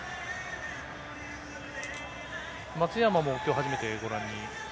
松山も、今日初めてご覧に？